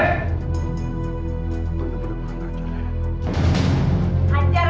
tunggu tunggu tunggu